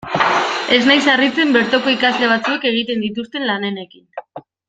Ez naiz harritzen bertoko ikasle batzuek egiten dituzten lanenekin.